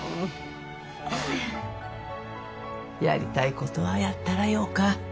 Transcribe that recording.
やりたいことはやったらよか。